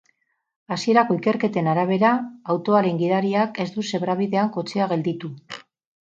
Hasierako ikerketen arabera, autoaren gidariak ez du zebra-bidean kotxea gelditu.